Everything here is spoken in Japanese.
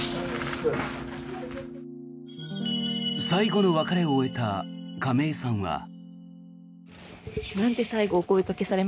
最後の別れを終えた亀井さんは。